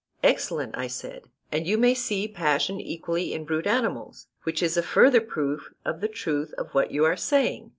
Excellent, I said, and you may see passion equally in brute animals, which is a further proof of the truth of what you are saying.